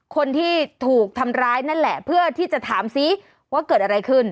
คนที่ถูกทำร้ายนั่นแหละเพื่อที่จะถามซิว่าเกิดอะไรขึ้น